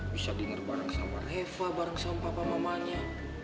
bisa dengar bareng sama reva bareng sama papa mamanya